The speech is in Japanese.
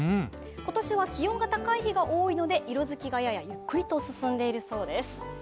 今年は気温が高い日が多いので色づきがややゆっくりと進んでいるそうです。